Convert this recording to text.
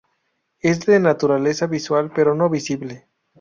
Es de naturaleza "visual", pero no "visible".